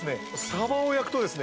サバを焼くとですね